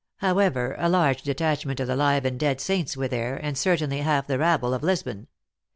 However, a large detach ment of the live and dead saints were there, and, cer tainly, .half the rabble of Lisbon.